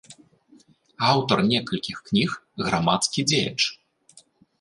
Аўтар некалькіх кніг, грамадскі дзеяч.